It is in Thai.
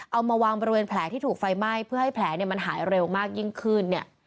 เอามาวางบริเวณแผลที่ถูกไฟไหม้เพื่อให้แผลเนี่ยมันหายเร็วมากยิ่งขึ้นเนี่ย